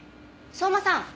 相馬さん